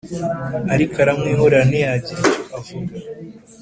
ariko aramwihorera ntiyagira icyo avuga.